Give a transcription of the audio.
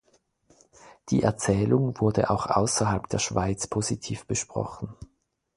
Die Erzählung wurde auch ausserhalb der Schweiz positiv besprochen.